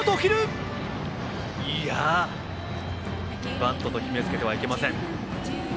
バントと決め付けてはいけません。